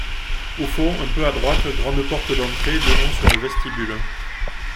Au fond un peu à droite, grande porte d’entrée donnant sur le vestibule.